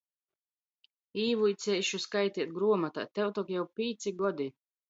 Īvuiceišu skaiteit gruomotā, tev tok jau pīci godi!